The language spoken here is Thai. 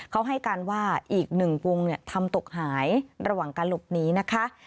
เขาให้การว่าอีกหนึ่งวงทำตกหายระหว่างการหลบหนีนะคะ